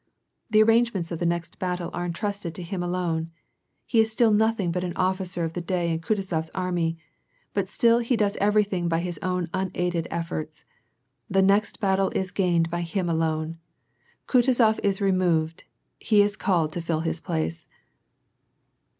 The arrangements of the next battle are entrusted to him alone. He is still nothing but an officer of the day in Kutuzofs army, but still he does ererything by his own unaided efforts. The next battle is gained by him alone. Kutuzof is removed, he is called to fill his place.